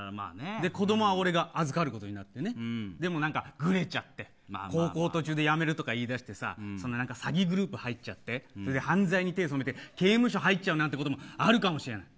子どもは俺が預かることになってでも、グレちゃって高校途中でやめるとか言いだして詐欺グループ入っちゃって犯罪に手を染めて刑務所に入っちゃうこともあるかもしれない。